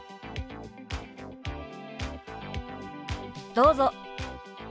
どうぞ。